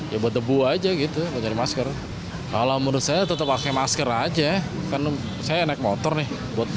ya buat debu aja gitu nyari masker kalau menurut saya tetap pakai masker aja kan saya naik motor nih buat